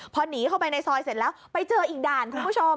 พอหนีเข้าไปในซอยเสร็จแล้วไปเจออีกด่านคุณผู้ชม